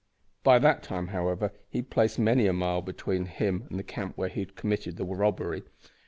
By that time, however, he had placed many a mile between him and the camp where he had committed the robbery.